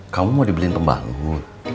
kamu mau dibeli tembangmu